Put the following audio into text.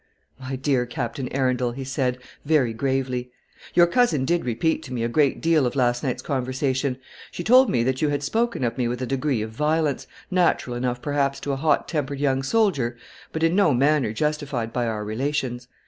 "My dear Captain Arundel," he said, very gravely, "your cousin did repeat to me a great deal of last night's conversation. She told me that you had spoken of me with a degree of violence, natural enough perhaps to a hot tempered young soldier, but in no manner justified by our relations.